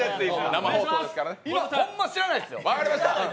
ホンマ、知らないっすよ。